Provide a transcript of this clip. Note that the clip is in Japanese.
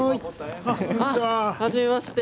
はじめまして。